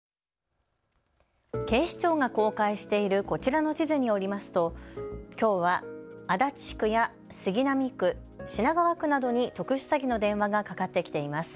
警視庁が公開しているこちらの地図によりますときょうは足立区や杉並区、品川区などに特殊詐欺の電話がかかってきています。